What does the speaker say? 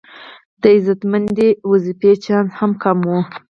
د عزتمندې دندې چانس هم کم و.